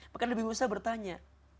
maka nabi musa bertanya